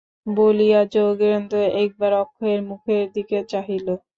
বলিয়া যোগেন্দ্র একবার অক্ষয়ের মুখের দিকে চাহিল।